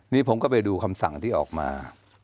นี่ผมก็ไปดูคำสั่งที่ออกมา